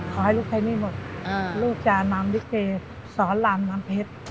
ขอให้ลูกใช้หนี้หมดลูกจะนำลิเกสอนรามน้ำเพชร